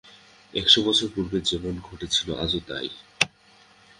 একশো বছর পূর্বে যেমন ঘটেছিল আজও তাই।